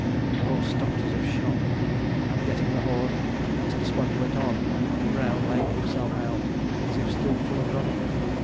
The horse stopped as if shot; and getting the horn, Mr. Sponge went on, the brown laying himself out as if still full of running.